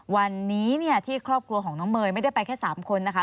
วันนี้เนี่ยที่ครอบครัวของน้องเมย์ไม่ได้ไปแค่๓คนนะคะ